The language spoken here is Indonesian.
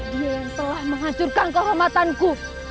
dia yang telah menghancurkan kehormatanku